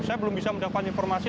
saya belum bisa mendapatkan informasi